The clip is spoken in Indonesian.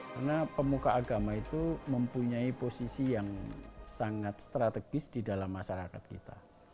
karena pemuka agama itu mempunyai posisi yang sangat strategis di dalam masyarakat kita